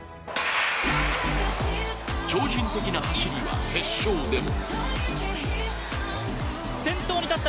超人的な走りは決勝でも。